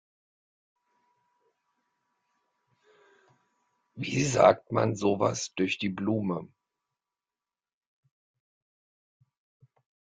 Wie sagt man sowas durch die Blume?